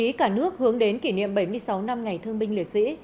hòa trong không khí cả nước hướng đến kỷ niệm bảy mươi sáu năm ngày thương binh liệt sĩ